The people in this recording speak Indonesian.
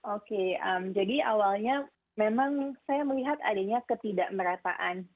oke jadi awalnya memang saya melihat adanya ketidakmerataan